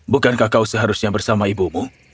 bukankah kau seharusnya bersama ibumu